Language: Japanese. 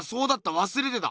わすれてた。